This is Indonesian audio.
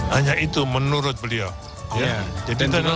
hanya itu menurut beliau